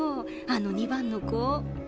あの２番の子。